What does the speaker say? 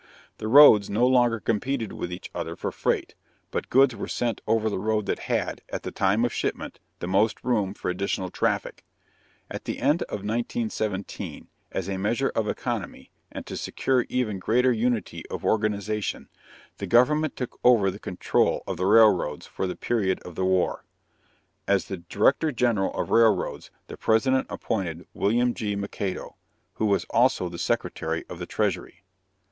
The roads no longer competed with each other for freight, but goods were sent over the road that had, at the time of shipment, the most room for additional traffic. At the end of 1917, as a measure of economy and to secure even greater unity of organization, the government took over the control of the railroads for the period of the war. As Director General of Railroads, the President appointed William G. McAdoo, who was also the Secretary of the Treasury.